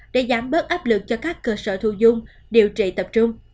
để giảm bớt áp lực cho các cơ sở thu dung điều trị tập trung